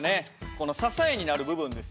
この支えになる部分ですね。